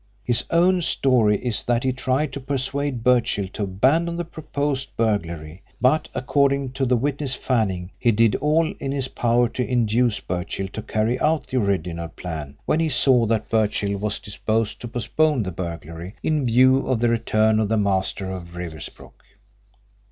His own story is that he tried to persuade Birchill to abandon the proposed burglary, but, according to the witness Fanning, he did all in his power to induce Birchill to carry out the original plan when he saw that Birchill was disposed to postpone the burglary in view of the return of the master of Riversbrook.